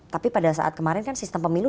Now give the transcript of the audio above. tapi pada saat kemarin kan sistem pemilu